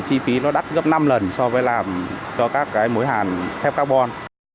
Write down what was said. chi phí nó đắt gấp năm lần so với làm cho các cái mối hàn thép carbon